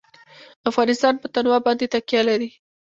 افغانستان په تنوع باندې تکیه لري.